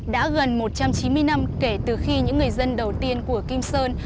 đã gần một trăm chín mươi năm kể từ khi những người dân đầu tiên của kim sơn